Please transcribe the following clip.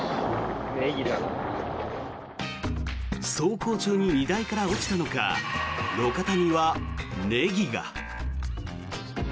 走行中に荷台から落ちたのか路肩にはネギが。